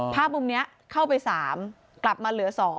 ภาพมุมเข้าไป๓จำกล่อกลับมาเหลือ๒